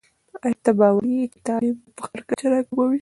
آیا ته باوري یې چې تعلیم د فقر کچه راکموي؟